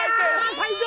最低！